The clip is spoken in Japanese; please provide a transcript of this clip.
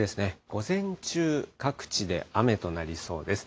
午前中、各地で雨となりそうです。